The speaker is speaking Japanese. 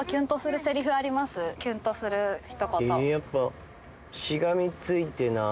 キュンとするひと言。